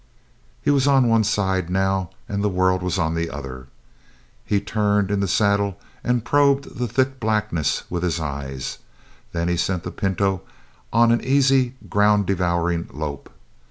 He was on one side now, and the world was on the other. He turned in the saddle and probed the thick blackness with his eyes; then he sent the pinto on at an easy, ground devouring lope.